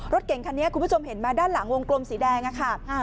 รถเก่งคันนี้คุณผู้ชมเห็นไหมด้านหลังวงกลมสีแดงอะค่ะ